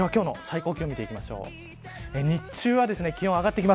今日の最高気温見ていきましょう。